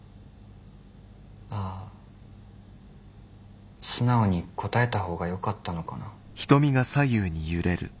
あ素直に答えた方がよかったのかな。